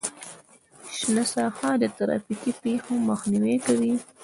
شنه ساحه د ترافیکي پیښو مخنیوی کوي